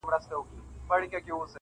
مېلمانه یې د مرګي لوی ډاکټران کړل-